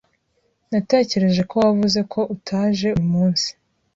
Natekereje ko wavuze ko utaje uyu munsi.